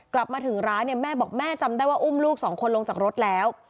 กลับมาถึงร้านเนี่ยแม่บอกแม่จำได้ว่าอุ้มลูกสองคนลงจากรถแล้ว